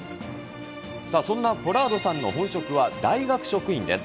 さあ、そんなポラードさんの本職は、大学職員です。